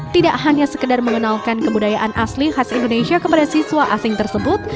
tidak hanya sekedar mengenalkan kebudayaan asli khas indonesia kepada siswa asing tersebut